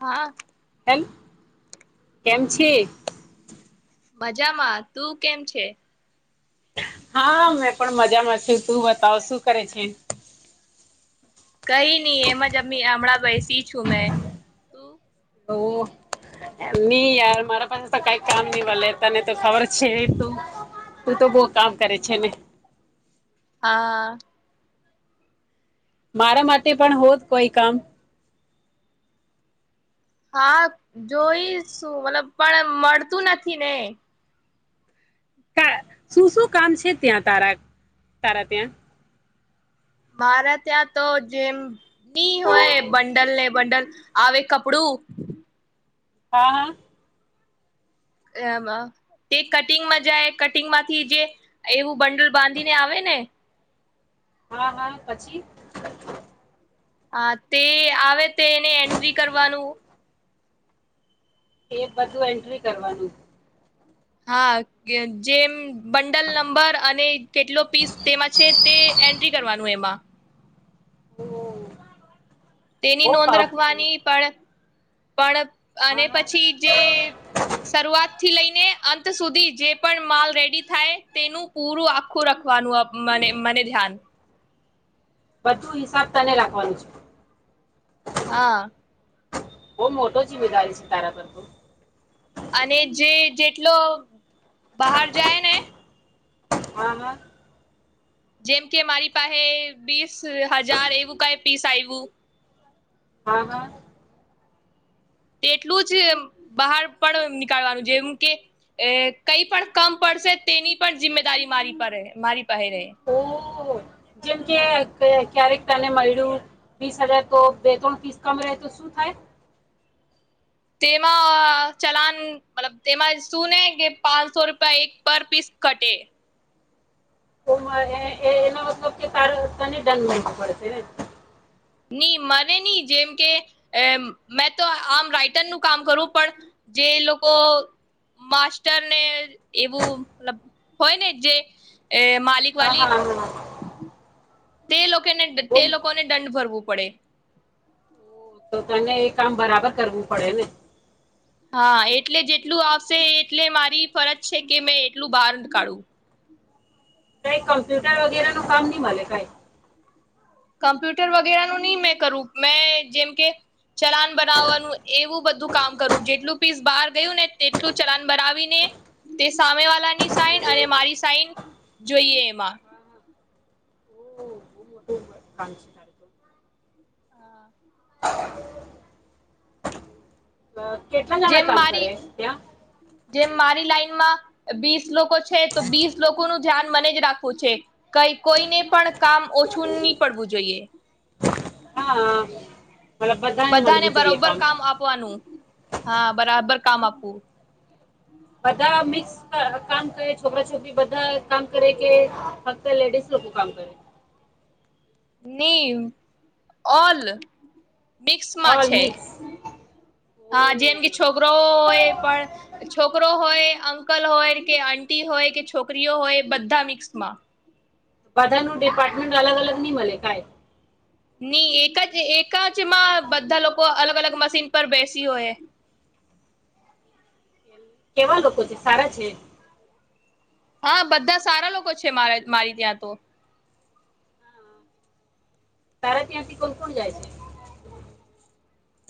હા. એમ છે? મજામાં. તું કેમ છે. હા મેં પણ મજામાં છુ તું બતાવ શું કરે છે. કઈ નહી એમ જ હમણાં બેસી છું મેં ઓ નહી યાર મારા પાસે તો કઈ કામ નહી ભલે તને તો ખબર છે તું તું તો બહ કામ કરે છે ને હા. મારા માટે પણ હોત કોઈ કામ હા જોઈ શું મતલબ પણ મળતું નથી ને શું શું કામ છે ત્યાં તારા તારા ત્યાં મારા ત્યાં તો જેમ ની હોય બંડલ ને બંડલ આવે કપડું હા. એમાં તે કટિંગમાં જાય કટિંગ માંથી જે એવું બંડલ બાંધી ને આવે ને હા, હા પછી હા તે આવે તેને એન્ટ્રી કરવાનું એ બધું એન્ટ્રી કરવાનું હા કે જેમ બંડલ નંબર અને કેટલો પીસ તેમાં છે તે એન્ટ્રી કરવાનું એમાં [unintelligible] તેની બો નોંધ કામ રખવાની પણ પણ હા અને હા પછી જે શરૂઆત થી લઈને અંત સુધી જે પણ માલ રેડી થાય તેનું પૂરું આખું રાખવાનું મને ધ્યાન બધું હિસાબ તને લખવાનું છે. હા. બોવ મોટો જીમેદારી છે તારા પર તો અને જે જેટલો બહાર જાય ને હા, હા જેમ કે મારી પાહે બીસ હજાર એવું કઈ પીસ આવવું હા-હા. તેટલું જ બહાર પણ નીકળવાનું જેમ કે કઈ પણ કમ પડશે તેની પણ જિમ્દારી મારી પર મારી પહે રહે ઓ જેમ કે કય ક્યારેક તને મળ્યું વીસ હજાર તો બે ત્રણ ફીસ કમ રહે તો શું થાય. તેમાં ચલાન મતલબ તેમાં સુું ને કે પાંચસો રૂપિયા એક પર પીસ કટે. [unintelligible] એના મતલબ કે તાર તને દંડવું બળવું પડશે ને. ની મને નહી જેમ કે મેં તો આમ રાઈટર નું કામ કરું પણ જે લોકો માસ્ટર ને એવું [unintelligible] હોય ને જે એ માલિક હા હા વાલીક. હા તે લોક કેને બહુ તે લોકોને દંડ ભર વુ પડે. ઓહ, તો તને એ કામ બરાબર કરવું પડે ને. હા એટલે જેટલું આવશે એટલે મારી ફરજ છે કે મેં એટલું બહાર કાઢું. કઈ કમ્પ્યુટર વગેરે નું કામ ન મળે કઈ. કમ્પ્યુટર વગેરેનું નહી મેં કરું મેં જેમ કે ચલાન બનાવવાનું એવું બધું કામ કરું જેટલું પીસ બહાર ગયું ને તેટલું ચલાન બનાવીને તે સામે વાળાની સાઈન અને મારી સાઈન જોઈએ એમાં. ઓહ, બહુ [unintelligible] અ કેટલા જણા જેમ કામ મારી કરે ત્યાં? જેમ મારી લાઈનમાં બીસ. લોકો છે તો બીસ લોકોનું ધ્યાન મને જ રાખવું છે કઈ કોઈને પણ કામ ઓછું નહી પડવું જોઈએ. હા મતલબ બધાને મળવું જોઈએ બરોબર કામ આપવાનું હા બરાબર. કામ આપું. બધા મિક્સ ક કામ કરે છોકરા છોકરી બધા કામ કરે કે ફક્ત લેડીસ લોકો કામ કરે. ની ઓલ. મિક્સમાં ઓલ છે મિક્સ ઓ હા જેમ કે છોકરાઓ હોય પણ છોકરો હોય. અંકલ હોય કે આટી હોય કે છોકરીઓ હોય બધા મિક્સમાં. બધા ન ડિપાર્ટમેન્ટ અલગ અલગ નહી મળે કાય? નહી એક જ એક. કજ એમાં બધા લોકો અલગ અલગ મશીન પર બેસી હોય. કેવા લોકો છે, સારા છે? હા બધા સારા લોકો છે માર મારી ત્યાં તો. તારા ત્યાંથી કોણ કોણ જાય છે?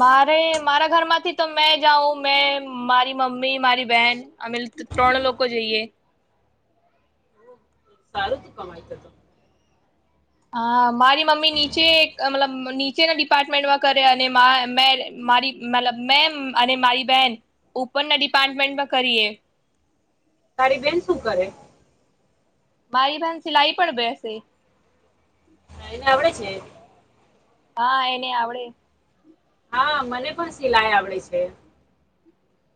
મારે મારા ઘરમાંથી તો મેં જાઉં મે મારી મમ્મી મારી બેહેન અમે ત્રણ લોકો જઈએ. સારું તું કમાય છે તો. હા મારી મમ્મી નીચે અ મતલબ નીચેના ડિપાર્ટમેન્ટમાં કરે અને મા મે મારી મતલબ મે અને મારી બેહેન ઉપરના ડિપાર્ટમેન્ટમાં કરીએ. તારી બેન શું કરે? મારી બેન સિલાઈ પર બેસે. એને અવડે છે? હા એને આવડે. હા મને પણ સિલાઈ આવડે છે.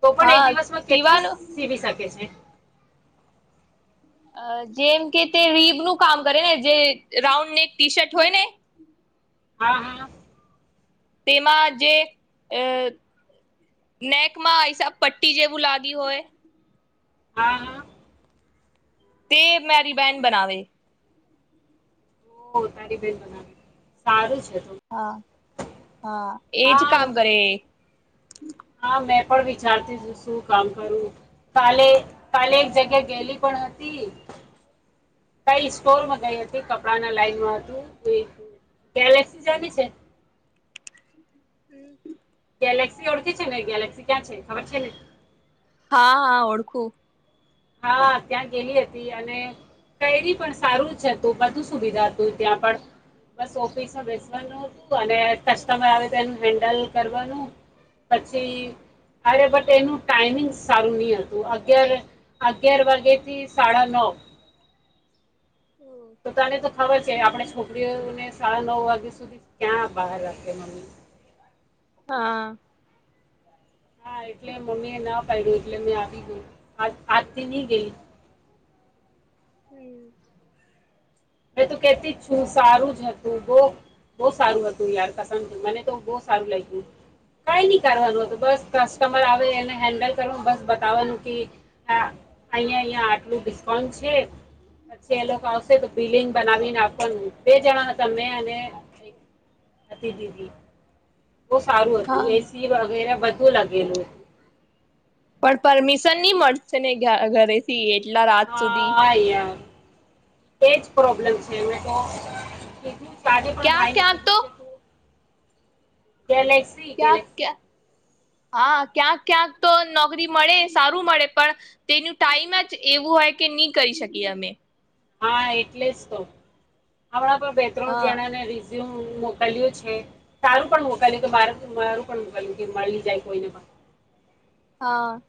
તો પણ એક હા દિવસમાં કેટલા સીવાનું સીવી શકે છે? અહ જેમ કે તે રીબ નું કામ કરે ને જે રાઉન્ડ નેક ટી શર્ટ હોય ને હા, હા. તેમાં જે અહ નેકમાં હિસાબ પટ્ટી જેવું લાગી હોય હા, હા. તે મેરી બહેન બનાવે. ઓહ! તારી બેન બનાવે, સારું છે. તો હા. હા એજ હા કામ કરે એ. [inaudible] હા મેં પણ વિચારતીતી શું કામ કરું. કાલે કાલે એક જગ્યાએ ગેલી પણ હતી કઈ સ્ટોરમાં ગઈ હતી, કપડા ના લાઈનમાં હતું, ગે ગેલેક્સી [unintelligible] હમ્મ. ગેલેક્સી ઓળખી છે ને, ગેલેક્સી ક્યાં છે? ખબર છે ને? હા, હા ઓળખું. હા ત્યાં ગેલી હતી અને કેરી પણ સારું જ હતું. બધું સુવિધા હતું ત્યાં પણ. બસ ઓફિસમાં બેસવાનું હતું અને કસ્ટમર આવે તો એનું હેન્ડલ કરવાનું પછી. અરે બટ એનું ટાઈમિંગ સારું નઈ હતું. અગિયાર અગિયાર વાગેથી સાડા નવ. તો તને તો ખબર છે આપડે છોકરીઓને સાડા નવ વાગ્યા સુધી ક્યાં બહાર રાખે મમ્મી. હા. હા એટલે મમ્મી એ ના પાયડુ એટલે મેં આવી ગયું. આજ-આજથી ની ગી. મે તો કેતી જ છું સારું જ હતું, બહું-બહુ સારું હતું યાર કસમથી, મને તો બહુ સારું લાયગું. કાઈ નહી કરવાનું હતું, બસ કસ્ટમર આવે એને હેન્ડલ કરવું, બસ બતાવાનું કિ આ અહીંયા-અહીયા આટલું ડિસ્કાઉન્ટ છે, પછી એ લોકો આવશે તો બિલિંગ બનાવી ને આપવાનું. બે જણા હતા મેં અને એક હતી દીદી. બહુ સારું હા હતું. એસી વગેરા બધ ધું લાગેલું. પણ પરમિશન ની મળશે ને ઘ ઘરેથી એજ હા યા. એજ પ્રોબ્લેમ છે એને તો. આજે પણ ક્યાં ભાઈ ને ક્યાંક કીધું છે તું ગેલેક્સી ગેલેક્સી ક્યા-ક્યા. હા. ક્યાંક-ક્યાંક તો નોકરી મળે એ સારું મળે પણ તેનું ટાઈમ જ એવું હોય કે ની કરી શકીએ અમે. હા એટલે જ તો. હમણાં પણ બે ત્રણ હા જણા ને રી [unintelligible] મોકલ્યું છે, સારું પણ મોકલ્યું કે માર મારું પણ મોકલ્યું કે મળી જાય કોઈને તો. હા.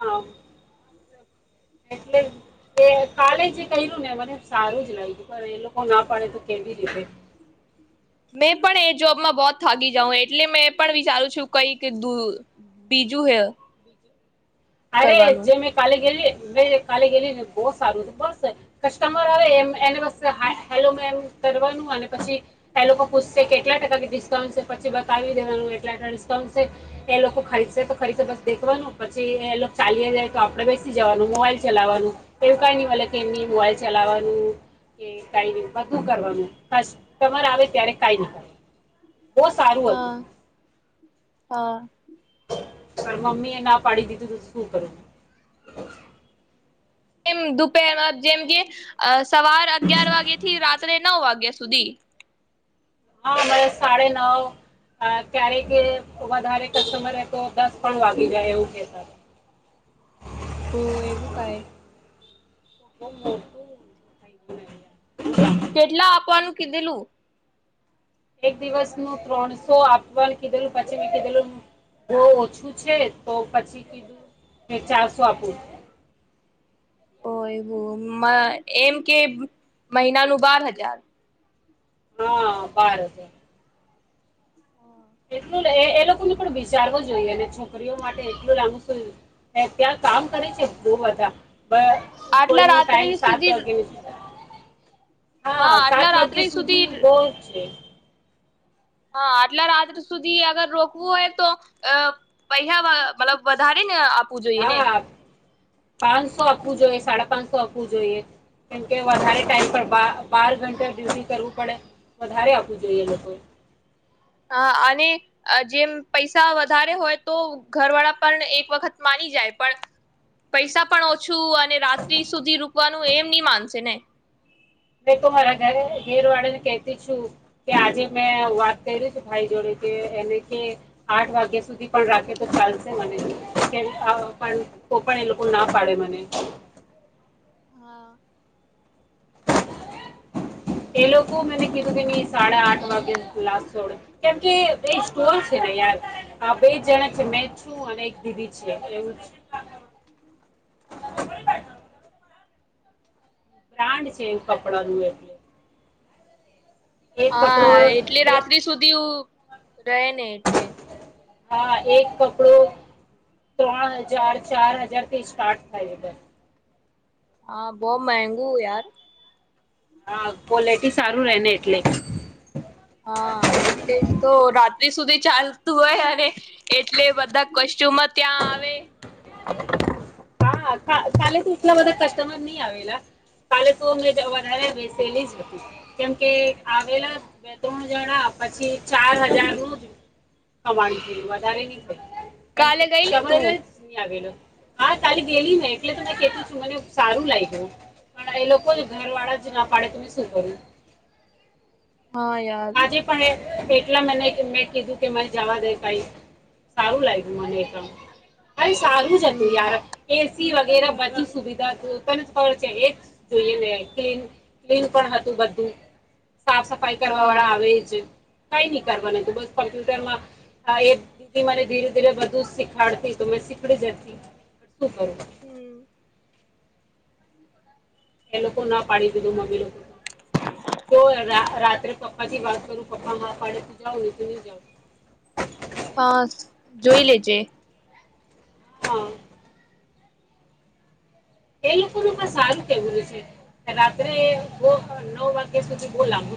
હા. એટલે એ કાલે જે ક્યરું ને મને સારું જ લાયગું, પણ એ લોકો ના પાડે તો કેવી રીતે મેં પણ એ જોબમાં બહોત થાકી જાઉં એટલે મેં એ પણ વિચારું છું, કઈક દૂ બીજું હે. અરે કરવાનું જે મેં કાલે ગેલી મે કાલે ગેલીને બહું સારું, બસ કસ્ટમર આવે એમ એને બસ હાય હેલો મેમ કરવાનું અને પછી એ લોકો પૂછશે કેટલા ટકા કે ડિસ્કાઉન્ટ છે, પછી બતાવી દેવાનું એટલા એટલા ડિસ્કાઉન્ટ છે, એ લોકો ખરીદશે તો ખરીદશે બસ દેખવાનું. પછી એ લોક ચાલ્યા જાય તો આપડે બેસી જવાનું, મોબાઈલ ચલાવવાનું. એવું કાઈ નઈ મલે કે એમની મોબાઈલ ચલાવવાનું કે કાઈ નહી, બધું કરવાનું. ખાસ તમારે આવે ત્યારે કાઈ નહી કરવાનું. હા હા પર મમી એ ના પાડી દીતી ત શું કરુ એમ દુપરમાં જેમ કે અ સવાર અગિયાર વાગે થી રાત્રે નવ વા ગયા સુધી હા મ સાડે નવ ક્યારેક વધારે કસ્ટમર તો દસ પણ વાગી જાય એવું છે. ઓ એવું કાય [inaudible] કેટલા આપવાનું કીધેલું એક દિવસનું ત્રણસો આપવાનું કીધેલું પછી મેં કીધેલું બો ઓછું છે તો પછી કીધું મે ચારસો આપું એવું એમ કે મહિનાનું બાર હજાર હા બાર હજાર [inaudible] એટલું એ લોકોને પણ વિચારવું જોઈએ અને છોકરીઓ માટે એટલું લાબુ શું ત્યાં કામ કરે છે એટલું બધા બ કોઈ આટલા નુ રાત્રે ટાઈમ સાત સુધી વાગે હા સાત વાગ્યા સુધી બો જ છે. હા આટલા રાત સુધી અગર રોકવું હોય તો અ પૈસા મતલબ વધારે ને જોઈએ ને હા પાંચસો આપવું જોઈ સાડા પાંચસ આપવું જોઈએ કેમકે વધારે ટાઈમ પર બા બાર ઘટા ડ્યુટી કરવું પડે વધારે આપવું જોઈએ લોકોએ હ અને જેમ પૈસા વધારે હોય તો ઘરવાળા પણ એક વખત માની જાય પણ પૈસા પણ ઓ તુ અને રાત્રી સુધી રૂકવાનું એમ ની માનશે ને મે તો મારા ઘરે ઘેર વાળા ને કહતી છું કે આજે મેં વાત કરી છું ભાઈ જોડે કે એને કે આઠ વાગ્યા સુધી પણ રાખે તો ચાલશે મને પણ કો પણ એ લોકો ના પાડે મને હા એ લોકો મને કીધું કે સાડા આઠ વાગે ખુલાસ છોડે કેમકે બે સ્ટોર છે ને યાર આ બે જણા છે મેં છું અને એક દીદી છે એવું [inaudible] બ્રાન્ડ છે કપડા નું એટલે એક કપડો હા એટલે એ- રાત્રિ સુધી રહે ને એટલે હા એક કકડું ત્રણ હજાર ચાર હજાર થી સ્ટાર્ટ થાય છે. હા બો મેગું યાર હા કોલેટી સારું રે ને એટલે હા એટલે જ તો રા ત્રી સુધી ચાલતું હોય અને એટલે બધા કોસ્ટચ્યુમ ત્યાં આવે હા કાલે તો એટલા બધા કસ્ટમર નઈ આવેલા કાલે તો અ વધારે બેસેલી જ હતી કેમકે આવેલા બે ત્રણ જણા પછી ચાર હજાર નું જ કમાણી થયું વધારે ની કાલે ગયલી તું આવેલું હા તાલી ગેલી ને એટલે તને કેતી છું મને સારું લાગ્યું પણ એ લોકો ઘરવાડા જ ના પાડે તો મેં સુકરુ હા યાર આજે પણ એટલા મને મેં કીધું કે મને જવા દે કઈ સારું લાગ્યું મને એત અરે સારું જ હતું હમ યાર એ [unintelligible] બધી સુવિધા તને ખબર છે એ જ જોઈએને કે [unintelligible] પણ હતું બધું સાફ કરવા હા વાળા આવે જ કઈ નહી કરવાનું બસ કોમ્પ્યુટરમાં એ દીદી મને ધીરે ધીરે બધુ શીખાડતી તો મેં શીખડી જતી. શું કરું હમ્મ. એ લોકો ના પાડી દીધું મમ્મી લોકો તો રા રાત્રે પપ્પા થી વાત કરું પપ્પા હા પાડે તો જાવુ નહી તો ની જાવુ. હા જોય લેજે. હા. એ લોકોનું પણ સારું કેવું છે રાત્રે [unintelligible] નવ વાગ્યા સુધી બો લાંબુ.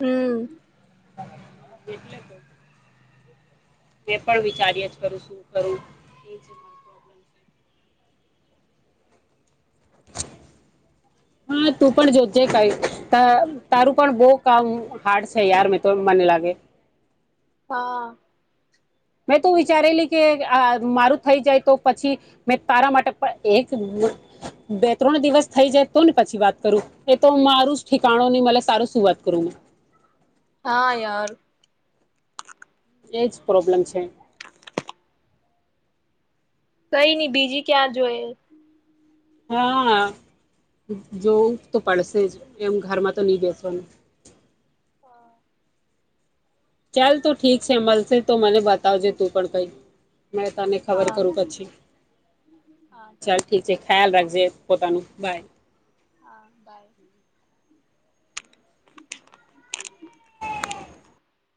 હમ્મ. એટલે તો મે પણ વિચારીયા જ કરું શું કરું એ જને. હા તું પણ જોજે કઈ તા તારું પણ બો કામ હાર્ડ છે યાર મે તો મને લાગે. હા. મેં તો વિચારેલી કે આ મારું થઈ જાય તો પછી મે તારા માટે પન એક બે ત્રણ દિવસ થઈ જાય તો ને પછી વાત કરું એ તો મારું જ ઠિકાણુ ની મલે સારું સુું વાત કરું મે. હા યાર. એજ પ્રોબ્લમ છે. કઈ નઈ બીજી ક્યાં જોઈએ. હા જોવું તો પડશે જ એવું ઘરમાં તો ની બેસવાનું. હા ચાલ તો ઠીક છે મલશે તો મને બતાવજે તું પણ કઈક. મે તને ખબર કરું પછી હા ઠીક ચાલ ઠી છે ખ્યાલ રાખજે. પોતાનું બાય. હા બાય.